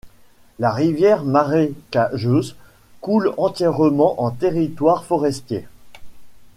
La rivière Marécageuse coule entièrement en territoire forestier.